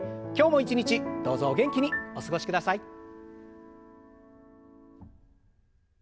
今日も一日どうぞお元気にお過ごしください。